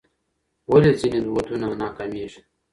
ولې ځینې ودونه ناکامیږي؟